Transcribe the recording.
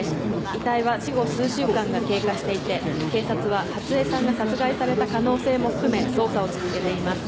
遺体は死後数週間が経過していて警察は初枝さんが殺害された可能性も含め捜査を続けています。